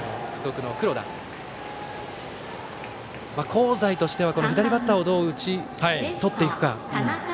香西としては、左バッターをどう打ち取っていくか。